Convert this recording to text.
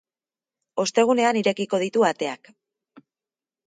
Ostegunean irekiko ditu ateak.